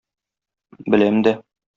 Беләм дә.